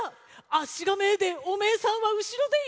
あっしがめえでおめえさんはうしろでい！